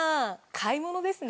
買い物ですね。